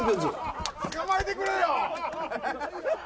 つかまえてくれよ。